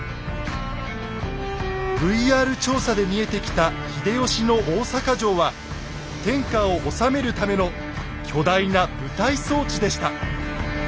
ＶＲ調査で見えてきた秀吉の大坂城は天下を治めるための巨大な舞台装置でした。